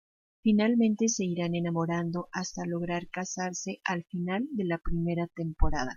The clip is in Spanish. Finalmente se irán enamorando hasta lograr casarse al final de la primera temporada.